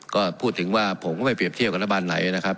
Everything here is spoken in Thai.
ก็พูดถึงว่าผมก็ไม่เปรียบเทียบกับรัฐบาลไหนนะครับ